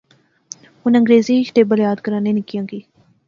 ہن انگریزی اچ ٹیبل یاد کرانے نکیاں کی